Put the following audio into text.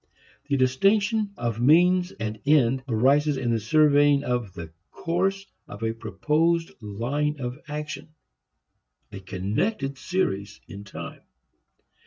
The distinction of means and end arises in surveying the course of a proposed line of action, a connected series in time.